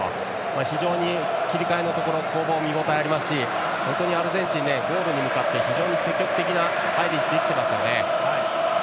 非常に切り替えのところの攻防、見応えありますしアルゼンチンはゴールに向かって非常に積極的な入りができていますね。